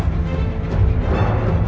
aku ingin menerima keadaanmu